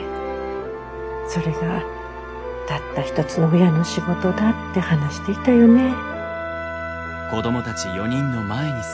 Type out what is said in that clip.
それがたった一つの親の仕事だって話していたよねぇ。